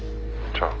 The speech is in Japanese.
じゃあ。